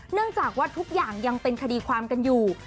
เนื่องจากว่าทุกอย่างยังเป็นคดีความกันอยู่